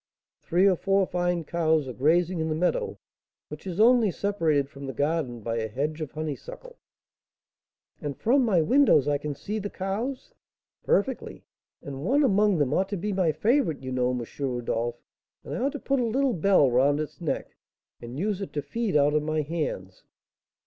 "Three or four fine cows are grazing in the meadow, which is only separated from the garden by a hedge of honeysuckle " "And from my windows I can see the cows?" "Perfectly." "And one among them ought to be my favourite, you know, M. Rodolph; and I ought to put a little bell round its neck, and use it to feed out of my hands!"